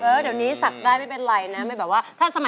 เดี๋ยวนี้สักได้ไม่เป็นไรนะ